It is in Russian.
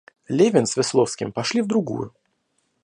Левин с Весловским пошли в другую.